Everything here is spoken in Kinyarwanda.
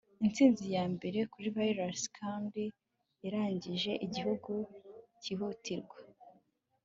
intsinzi ya mbere kuri virusi kandi yarangije igihugu cyihutirwa